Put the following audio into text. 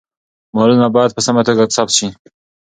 مالونه باید په سمه توګه ثبت شي.